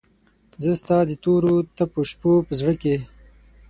زه ستا دتوروتپوشپوپه زړه کې